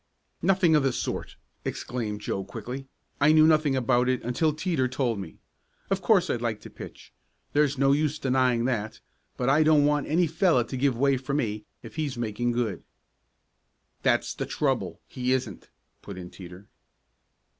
"Nothing of the sort!" exclaimed Joe quickly. "I knew nothing about it until Teeter told me. Of course I'd like to pitch; there's no use denying that, but I don't want any fellow to give way for me if he's making good." "That's the trouble he isn't," put in Teeter.